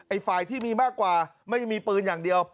ฝ่ายที่มีมากกว่าไม่มีปืนอย่างเดียว